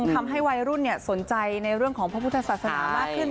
ทำให้วัยรุ่นสนใจในเรื่องของพระพุทธศาสนามากขึ้น